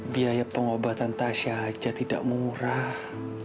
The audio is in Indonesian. biaya pengobatan tasyah aja tidak murah